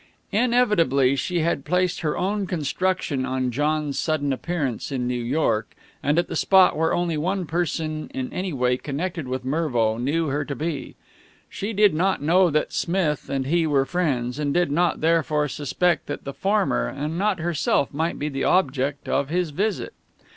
Inevitably she had placed her own construction on John's sudden appearance in New York and at the spot where only one person in any way connected with Mervo knew her to be. She did not know that Smith and he were friends, and did not, therefore, suspect that the former and not herself might be the object of his visit.